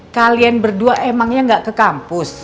kalian berdua emangnya gak ke kampus